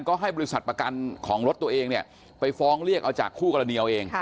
ก็ให้บริษัทประกันของรถตัวเองเนี่ยไปฟ้องเรียกเอาจากคู่กรณีเอาเอง